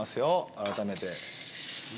改めて。